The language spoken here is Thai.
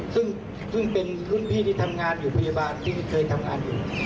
ซึ่งเป็นรุ่นพี่ที่ทำงานอยู่พยาบาลที่เคยทำงานอยู่